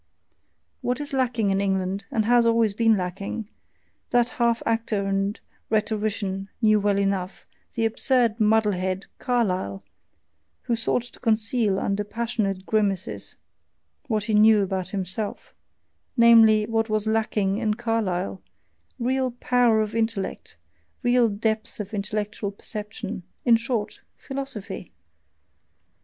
What is lacking in England, and has always been lacking, that half actor and rhetorician knew well enough, the absurd muddle head, Carlyle, who sought to conceal under passionate grimaces what he knew about himself: namely, what was LACKING in Carlyle real POWER of intellect, real DEPTH of intellectual perception, in short, philosophy.